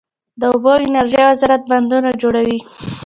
د اوبو او انرژۍ وزارت بندونه جوړوي؟